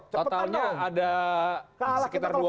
totalnya ada sekitar dua puluh an ya